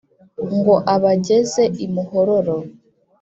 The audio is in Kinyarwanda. ngo abageze i mhororo